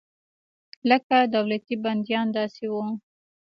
لکه دولتي بندیان داسې وو.